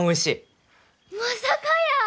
まさかやー。